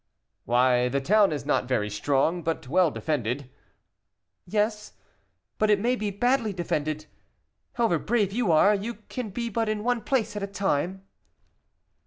"Why, the town is not very strong, but well defended " "Yes, but it may be badly defended; however brave you are, you can be but in one place at a time."